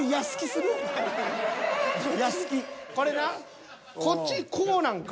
これなこっちこうなんか。